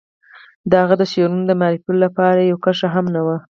د هغه د شعرونو د معرفي لپاره يوه کرښه هم نه وه.